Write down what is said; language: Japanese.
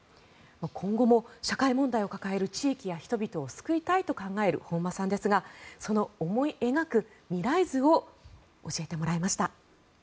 今後も社会問題を抱える地域や人々を救いたいと考える本間さんですがその思い描く未来図を教えてもらいました。